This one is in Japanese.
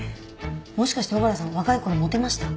もしかして小原さん若い頃モテました？